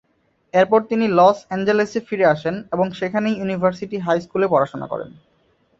এরপর তিনি লস অ্যাঞ্জেলেসে ফিরে আসেন এবং সেখানে ইউনিভার্সিটি হাই স্কুলে পড়াশোনা করেন।